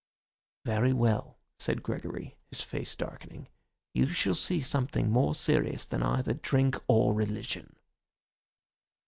"Very well," said Gregory, his face darkening, "you shall see something more serious than either drink or religion."